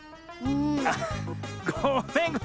あっごめんごめん。